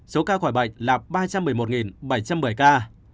số ca khỏi bệnh là ba trăm một mươi một bảy trăm một mươi ca